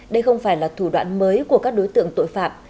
đây không phải là thủ đoạn mới của các đối tượng tội phạm